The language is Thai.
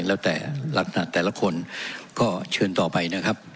แล้วแต่ลักษณะแต่ละคนก็เชิญต่อไปนะครับ